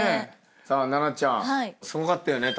奈々ちゃんすごかったね